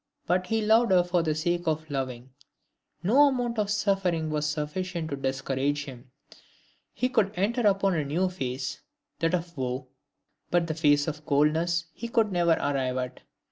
But he loved for the sake of loving. No amount of suffering was sufficient to discourage him. He could enter upon a new phase, that of woe; but the phase of coldness he could never arrive at.